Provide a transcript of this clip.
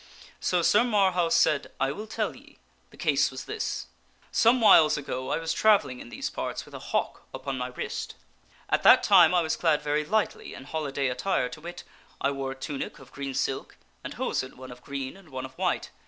So Sir Marhaus Sir Marhaus said, " I will tell ye. The case was this: Some whiles ago I tdieth his story. was travelling in these parts with a hawk upon my wrist. At that time I was clad very lightly in holiday attire, to wit : I wore a tunic of green silk, and hosen one of green and one of white.